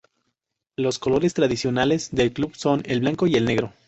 Los colores tradicionales del club son el blanco y el negro.